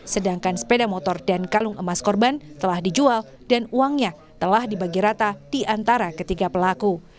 sedangkan sepeda motor dan kalung emas korban telah dijual dan uangnya telah dibagi rata di antara ketiga pelaku